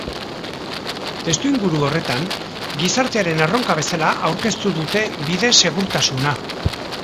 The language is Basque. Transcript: Testuinguru horretan, gizartearen erronka bezala aurkeztu dute bide segurtasuna.